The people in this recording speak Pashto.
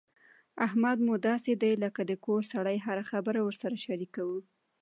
احمد مو داسې دی لکه د کور سړی هره خبره ورسره شریکوو.